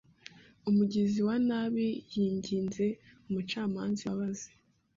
Umugizi wa nabi yinginze umucamanza imbabazi.